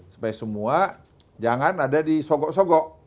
supaya semua jangan ada di sogo sogo